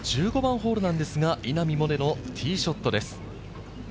１５番ホールなんですが稲見萌寧のティーショットです。